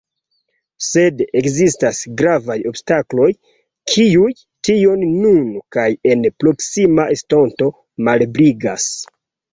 Sed ekzistas gravaj obstakloj, kiuj tion nun kaj en proksima estonto malebligas.